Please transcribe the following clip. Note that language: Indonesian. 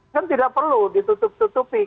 kan tidak perlu ditutup tutupi